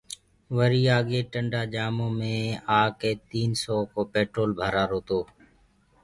وريٚ آگي ٽنٚڊآ جآمونٚ مي آڪي تيٚن سو ڪو پينٽول ڀرآرو تو